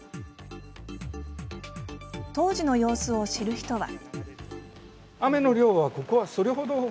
当時の様子を知る人は。